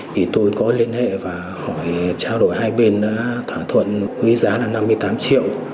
thì tôi có liên hệ và hỏi trao đổi hai bên đã thỏa thuận với giá là năm mươi tám triệu